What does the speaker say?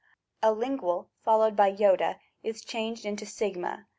'A Lingual followed by ^ is changed into a.